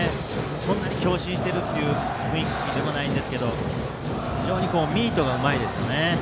そんなに強振している雰囲気でもないんですが非常にミートがうまいですね。